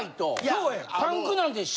そうや。